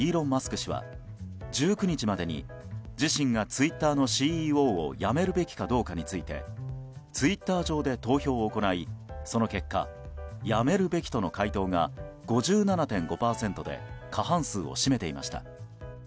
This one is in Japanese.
氏は１９日までに自身がツイッターのＣＥＯを辞めるべきかどうかについてツイッター上で投票を行いその結果、辞めるべきとの回答が５７．５％で過半数を占めていました。